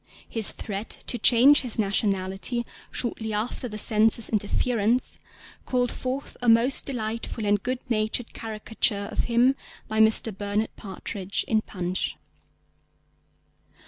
His threat to change his nationality shortly after the Censor's interference called forth a most delightful and good natured caricature of him by Mr. Bernard Partridge in Punch.